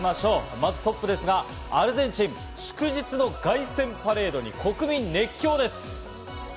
まずトップですがアルゼンチン、祝日の凱旋パレードに国民が熱狂です。